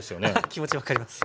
気持ち分かります。